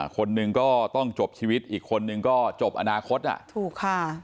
คนหนึ่งก็ต้องจบชีวิตอีกคนนึงก็จบอนาคตอ่ะถูกค่ะ